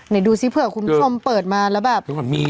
ไหนดูซิเผื่อคุณท่อมเปิดมาแล้วแบบ